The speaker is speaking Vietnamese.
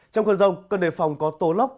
trong khuôn rông cơn đề phòng có tô lóc